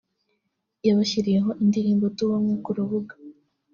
yabashyiriyeho indirimbo “Tube umwe” ku rubuga